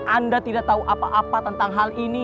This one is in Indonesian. anda tidak tahu apa apa tentang hal ini